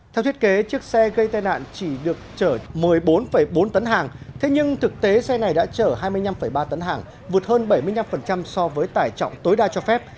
theo thiết kế chiếc xe gây tai nạn chỉ được chở một mươi bốn bốn tấn hàng thế nhưng thực tế xe này đã chở hai mươi năm ba tấn hàng vượt hơn bảy mươi năm so với tải trọng tối đa cho phép